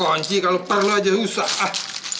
ini kunci kalau perlu aja usah